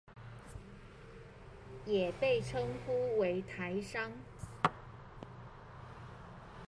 也被稱呼為台商